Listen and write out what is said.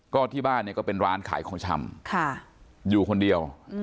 ก็ที่บ้านเนี่ยก็เป็นร้านขายของชำอยู่คนเดียว